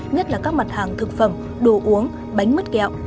nhất là các mặt hàng thực phẩm đồ uống bánh mứt kẹo